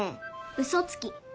うそつき。